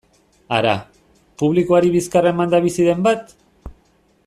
Hara, publikoari bizkarra emanda bizi den bat?